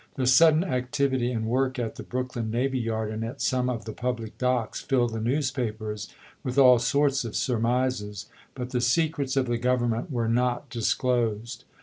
The sudden activity and work at the Brooklyn navy yard and at some of the public docks filled the newspapers with all sorts of surmises, but the secrets of the Govern ment were not disclosed.